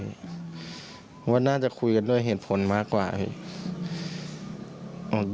เพราะว่าน่าจะคุยกันโดยเหตุผลมากกว่าอ่าฮะ